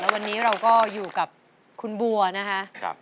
วันนี้เราก็อยู่กับคุณบัวนะคะ